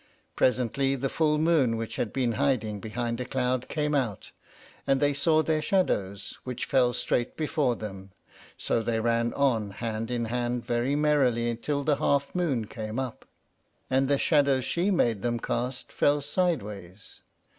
Presently the full moon, which had been hiding behind a cloud, came out, and they saw their shadows, which fell straight before them; so they ran on hand in hand very merrily till the half moon came up, and the shadows she made them cast fell sideways.